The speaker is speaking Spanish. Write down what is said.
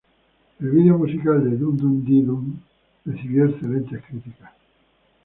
El vídeo musical de Dum Dee Dum recibió excelentes críticas.